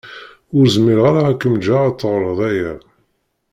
Ur zmireɣ ara ad kem-ǧǧeɣ ad teɣreḍ aya.